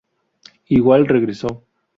Igual Regreso.